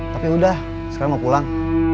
tapi udah sekarang mau pulang